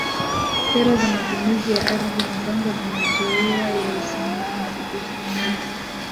Sera za matumizi ya ardhi mipango na mazoea ya usimamizi